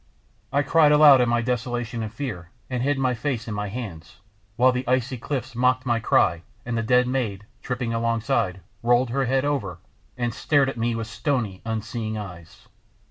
I cried aloud in my desolation and fear and hid my face in my hands, while the icy cliffs mocked my cry and the dead maid, tripping alongside, rolled her head over, and stared at me with stony, unseeing eyes.